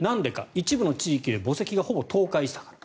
一部の地域で墓石がほぼ倒壊したから。